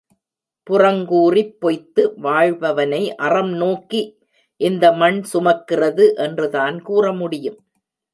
புறங்கூறிப் பொய்த்து வாழ்பவனை அறம் நோக்கி இந்த மண் சுமக்கிறது என்றுதான் கூற முடியும்.